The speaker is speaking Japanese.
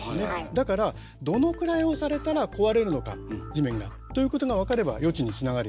だからどのくらい押されたら壊れるのか地面が。ということが分かれば予知につながるよね。